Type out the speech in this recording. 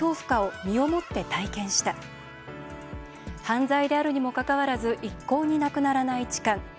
犯罪であるにもかかわらず一向になくならない痴漢。